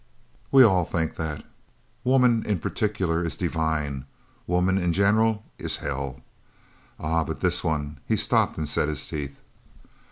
"We all think that. Woman in particular is divine; woman in general is hell!" "Ay, but this one " He stopped and set his teeth.